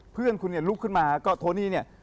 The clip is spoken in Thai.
เพื่อนคุณเนี่ยลุกขึ้นมาก็โทนี่เนี่ย